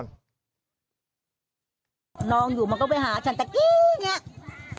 น้องอยู่มันก็ไปหาฉันตะกี้อย่างนี้